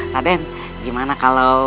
raden gimana kalau